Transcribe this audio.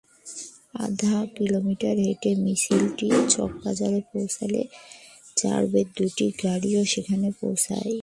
আধা কিলোমিটার হেঁটে মিছিলটি চকবাজারে পৌঁছালে র্যাবের দুটি গাড়িও সেখানে পৌঁছায়।